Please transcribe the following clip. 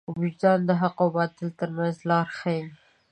وجدان د حق او باطل تر منځ لار ښيي.